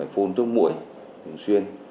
phôn thuốc mũi thường xuyên